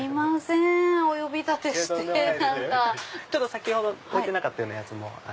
先ほど置いてなかったやつも。